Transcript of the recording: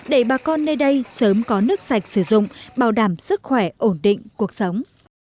để bà con nơi đây sớm có nước sạch sử dụng bảo đảm sức khỏe ổn định cuộc sống